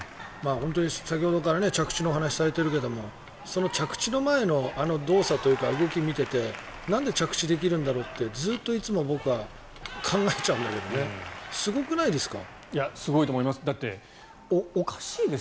本当に先ほどから着地の話をされているけどその着地の前の動作というか動きを見ててなんで着地できるんだろうってずっと考えちゃうんですけどいや、すごいと思います。